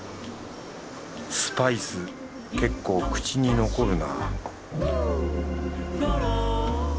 スパイス結構口に残るな